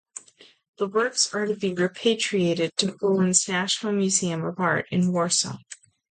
The works are to be repatriated to Poland's National Museum of Art in Warsaw.